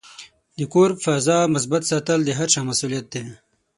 د کور د فضا مثبت ساتل د هر چا مسؤلیت دی.